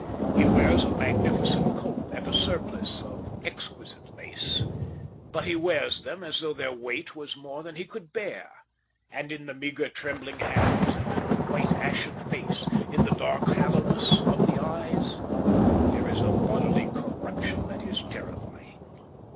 He wears a magnificent cope and a surplice of exquisite lace, but he wears them as though their weight was more than he could bear; and in the meagre trembling hands, and in the white, ashen face, in the dark hollowness of the eyes, there is a bodily corruption that is terrifying.